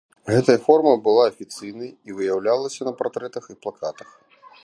Гэтая форма была афіцыйнай і выяўлялася на партрэтах і плакатах.